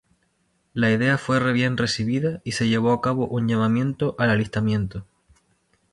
La idea fue bien recibida y se llevó a cabo un llamamiento al alistamiento.